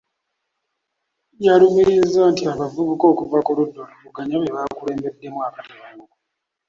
Yalumirizza nti abavubuka okuva ku ludda oluvuganya be baakulembeddemu akatanguko.